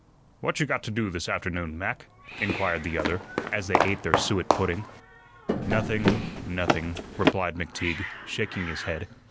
"What you got to do this afternoon, Mac?" inquired the other, as they ate their suet pudding. "Nothing, nothing," replied McTeague, shaking his head.